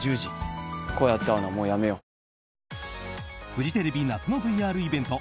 フジテレビ夏のＶＲイベント